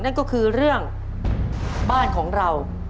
นั่นก็คือเรื่องบ้านของเรา